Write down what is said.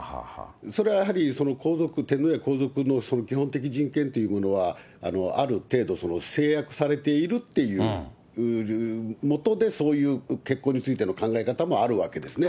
それはやはり、その皇族、天皇や皇族の基本的人権というものは、ある程度、制約されているっていう下でそういう結婚についての考え方もあるわけですね。